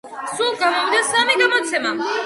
სულ გამოვიდა სამი გამოცემა.